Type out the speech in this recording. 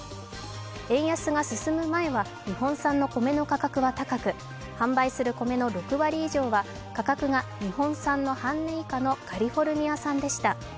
円安が進む前は日本産の米の価格は高く販売する米の６割以上は価格が日本産の半額以下のカリフォルニア産でした。